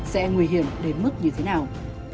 sẽ nguy hiểm đến mức như thế nào